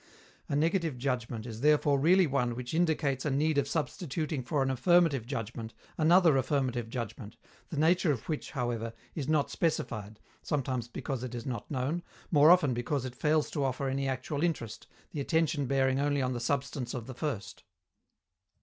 A negative judgment is therefore really one which indicates a need of substituting for an affirmative judgment another affirmative judgment, the nature of which, however, is not specified, sometimes because it is not known, more often because it fails to offer any actual interest, the attention bearing only on the substance of the first.